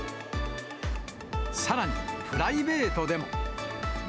さらにプライベートでも。